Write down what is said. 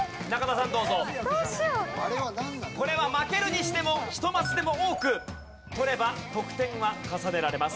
これは負けるにしても１マスでも多く取れば得点は重ねられます。